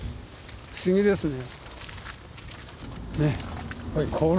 不思議ですね。